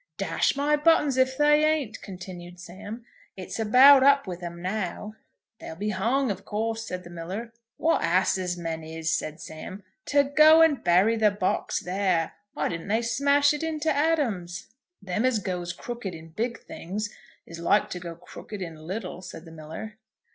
"Dash my buttons if they ain't," continued Sam. "It's about up with 'em now." "They'll be hung of course," said the miller. "What asses men is," said Sam; " to go to bury the box there! Why didn't they smash it into atoms?" "Them as goes crooked in big things is like to go crooked in little," said the miller.